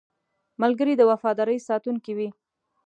ملګری د وفادارۍ ساتونکی وي